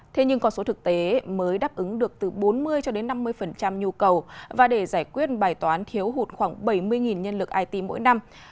thế nhưng con số thực tế mới đáp ứng được từ bốn mươi cho đến năm mươi nhu cầu và để giải quyết bài toán thiếu hụt khoảng bảy mươi nhân lực it mỗi năm